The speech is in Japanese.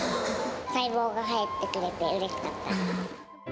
細胞が入ってくれてうれしかった。